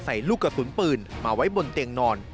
ลูกกระสุนปืนมาไว้บนเตียงนอน